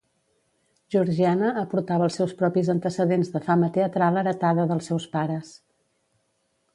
Georgiana aportava els seus propis antecedents de fama teatral heretada dels seus pares.